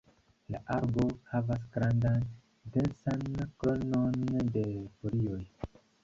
La arbo havas grandan, densan kronon de folioj.